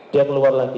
dia keluar lagi